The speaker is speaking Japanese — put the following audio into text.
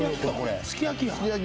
すき焼きやん。